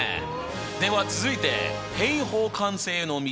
では続いて平方完成への道